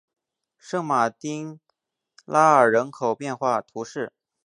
圣马丁拉尔人口变化图示